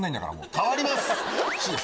変わります！